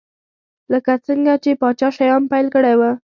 لکه څرنګه چې پاچا شیام پیل کړی و.